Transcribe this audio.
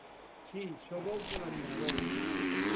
Si, só vou pola miña bolsa.